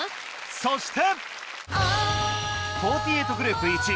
そして！